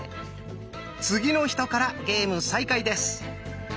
次の人からゲーム再開です。